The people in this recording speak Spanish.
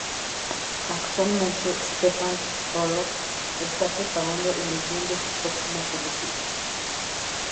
Actualmente Stefan Roloff está preparando el guion de su próxima película.